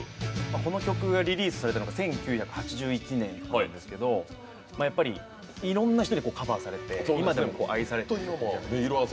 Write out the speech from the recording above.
この曲がリリースされたのは１９６１年なんですけどやっぱりいろんな人にカバーされて今でも愛されてる。